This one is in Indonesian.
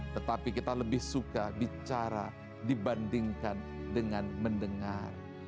tetapi kita lebih suka bicara dibandingkan dengan mendengar